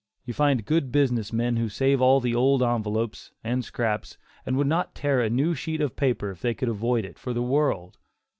You find good business men who save all the old envelopes, and scraps, and would not tear a new sheet of paper, if they could avoid it, for the world.